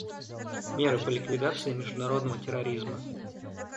Меры по ликвидации международного терроризма.